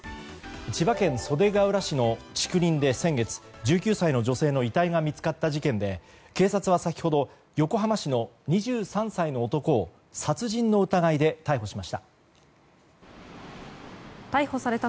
千葉県袖ケ浦市の竹林で先月１９歳の女性の遺体が見つかった事件で警察は先ほど横浜市の２３歳の男を殺人の疑いで逮捕しました。